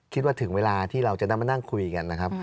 คิดว่าถึงเวลาที่เราจะได้มานั่งคุยกันนะครับ